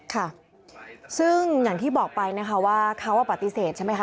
ค่ะซึ่งอย่างที่บอกไปนะคะว่าเขาปฏิเสธใช่ไหมคะ